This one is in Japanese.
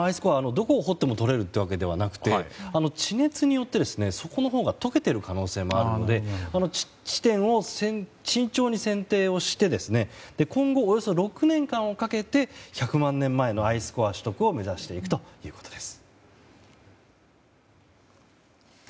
どこを掘ってもとれるというものではなくて地熱によって底のほうが解けている可能性もあるので地点を慎重に選定して今後、およそ６年間かけて１００万年前のアイスコア取得を目指すということです。